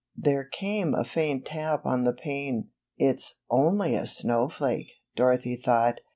There came a faint tap on the pane. ^Tt's only a snowflake," Dorothy thought.